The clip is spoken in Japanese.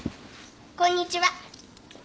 こんにちは。